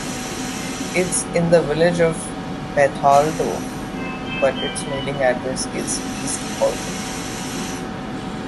It is in the village of Bethalto but its mailing address is East Alton.